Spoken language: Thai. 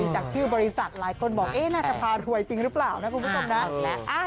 จากชื่อบริษัทหลายคนบอกน่าจะพารวยจริงหรือเปล่านะคุณผู้ชมนะ